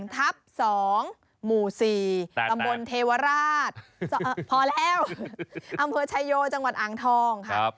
ทับ๒หมู่๔ตำบลเทวราชพอแล้วอำเภอชายโยจังหวัดอ่างทองค่ะ